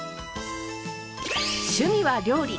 趣味は料理。